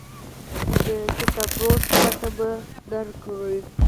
د کتابفروش پته به درکړي.